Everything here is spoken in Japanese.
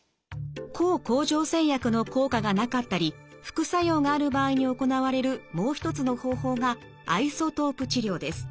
抗甲状腺薬の効果がなかったり副作用がある場合に行われるもう一つの方法がアイソトープ治療です。